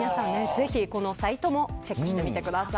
ぜひ、このサイトもチェックしてみてください。